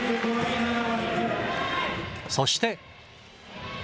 そして。